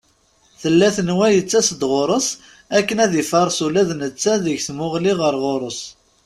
Tella tenwa yettas-d ɣur-s akken ad ifares ula d netta deg tmuɣli ɣer ɣur-s.